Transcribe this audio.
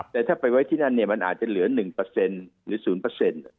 แต่ถ้าไปไว้ที่นั่นเนี่ยมันอาจจะเหลือ๑หรือ๐